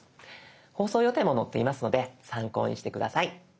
放送予定も載っていますので参考にして下さい。